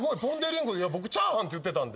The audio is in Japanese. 僕チャーハンって言ってたんで。